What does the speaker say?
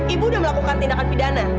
ibu udah melakukan tindakan pidana